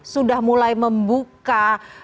sudah mulai membuka